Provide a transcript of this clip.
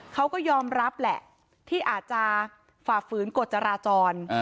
เขาก็ยอมรับแหละที่อาจจะฝ่าฝืนกฎจราจร